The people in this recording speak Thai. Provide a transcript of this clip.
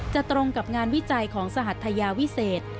ตรงกับงานวิจัยของสหัทยาวิเศษ